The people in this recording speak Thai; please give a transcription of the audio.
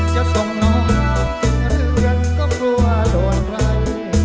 เจ้าส่องน้องหาจริงแล้วก็กลัวโดนไร